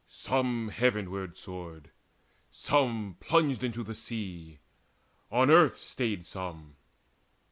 Some heavenward soared, some plunged into the sea, On earth stayed some.